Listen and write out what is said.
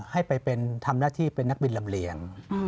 ให้ไปเป็นทำหน้าที่เป็นนักบินลำเลียง